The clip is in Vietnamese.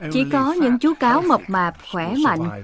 chỉ có những chú cáo mập mạp khỏe mạnh